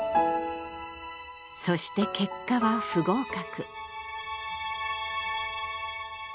そして結果は不合格。